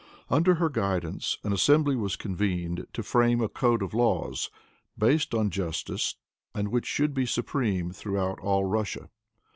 Under her guidance an assembly was convened to frame a code of laws, based on justice, and which should be supreme throughout all Russia.